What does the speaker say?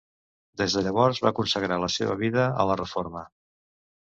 Des de llavors va consagrar la seva vida a la reforma.